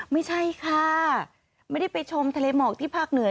ไม่ใช่ค่ะไม่ได้ไปชมทะเลหมอกที่ภาคเหนือ